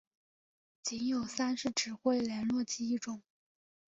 仅有三式指挥连络机一种。